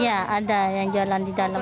ya ada yang jualan di dalam